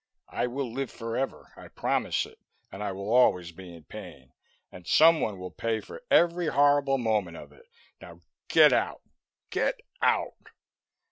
I will live forever, I promise it, and I will always be in pain, and someone will pay for every horrible moment of it! Now get out, get out!"